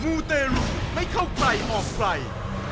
มูตร์เตทฤ่ียร่วมไม่เข้าไกลออกไกล